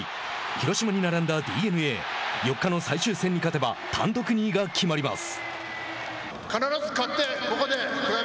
広島に並んだＤｅＮＡ４日の最終戦に勝てば単独２位が決まります。